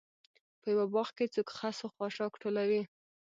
په یوه باغ کې څوک خس و خاشاک ټولوي.